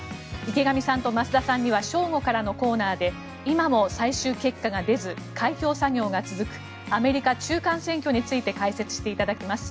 池上さんと増田さんには正午からのコーナーで今も最終結果が出ず開票作業が続くアメリカ中間選挙について解説していただきます。